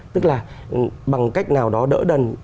tức là bằng cách nào đó đỡ đần